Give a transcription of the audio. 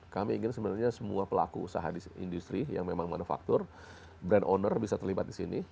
kami ingin sebenarnya semua pelaku usaha di industri yang memang manufaktur brand owner bisa terlibat di sini